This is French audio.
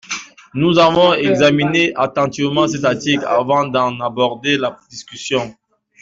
Nous avons examiné attentivement cet article avant d’en aborder la discussion.